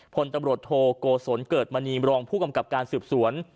พลตำรวจโทโกศลเกิดมณีมรองผู้กำกับการสืบสวน